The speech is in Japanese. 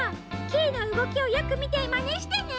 キイのうごきをよくみてまねしてね。